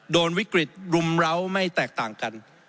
โดนวิกฤตรุมร้าวไม่แตกต่างกัน